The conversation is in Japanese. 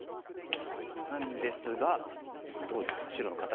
なんですがどうですか白の形。